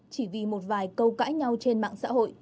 chỉ vì một vài câu cãi nhau trên mạng xã hội